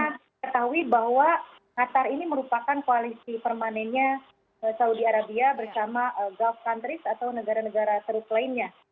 kita ketahui bahwa qatar ini merupakan koalisi permanennya saudi arabia bersama gulf countries atau negara negara terus lainnya